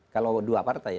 kalau dua partai ya